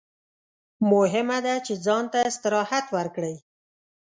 مهمه ده چې ځان ته استراحت ورکړئ.